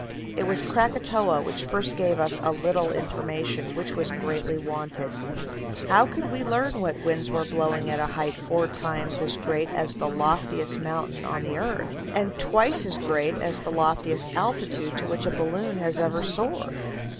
It was Krakatoa which first gave us a little information which was greatly wanted. How could we learn what winds were blowing at a height four times as great as the loftiest mountain on the earth, and twice as great as the loftiest altitude to which a balloon has ever soared?